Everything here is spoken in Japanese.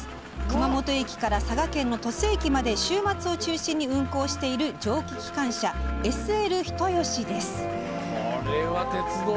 熊本駅から佐賀県の鳥栖駅まで週末を中心に運行している蒸気機関車、ＳＬ人吉です。